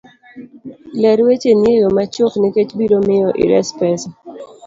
ler wecheni e yo machuok nikech biro miyo ires pesa.